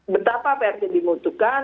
betapa prt dimutuhkan